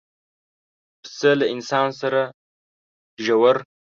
پسه له انسان سره ژور